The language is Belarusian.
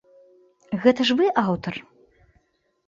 Гэта ж вы аўтар?